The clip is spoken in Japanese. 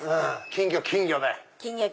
金魚金魚で。